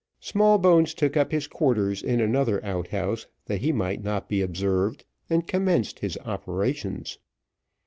Smallbones took up his quarters in another outhouse, that he might not be observed, and commenced his operations.